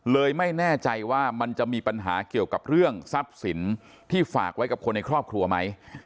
ไม่แน่ใจว่ามันจะมีปัญหาเกี่ยวกับเรื่องทรัพย์สินที่ฝากไว้กับคนในครอบครัวไหม